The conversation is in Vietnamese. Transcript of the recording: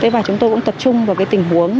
và chúng tôi cũng tập trung vào tình huống